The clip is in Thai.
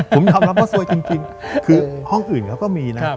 ผมทำละเพราะซวยจริงห้องอื่นเขาก็มีนะ